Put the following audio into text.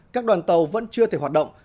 các đoàn tàu vẫn chưa thể hoạt động